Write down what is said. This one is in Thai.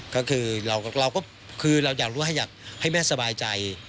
ก็คือเราก็คือเราอยากให้แม่สบายใจ